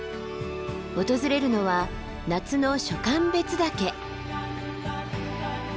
訪れるのは夏の暑寒別岳。